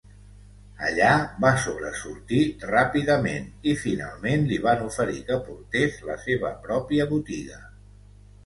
Allà va sobresortir ràpidament i finalment li van oferir que portés la seva pròpia botiga.